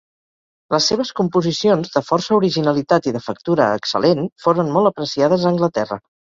Les seves composicions, de força originalitat i de factura excel·lent, foren molt apreciades a Anglaterra.